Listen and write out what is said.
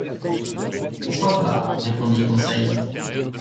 —Pourquoi pas ? répondit Conseil.